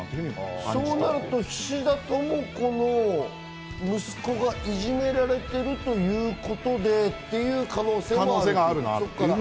そうなると菱田朋子の息子がいじめられてるということでっていう可能性も。